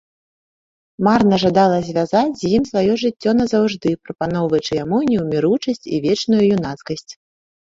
Марна жадала звязаць з ім сваё жыццё назаўжды, прапаноўваючы яму неўміручасць і вечную юнацкасць.